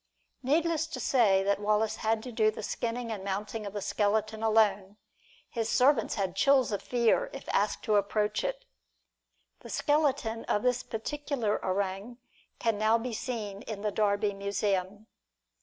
Needless to say that Wallace had to do the skinning and the mounting of the skeleton alone. His servants had chills of fear if asked to approach it. The skeleton of this particular orang can now be seen in the Derby Museum.